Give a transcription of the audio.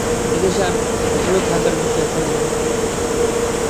এ দেশে আরও থাকার বিষয়ে এখনও কিছু স্থির করতে পারিনি।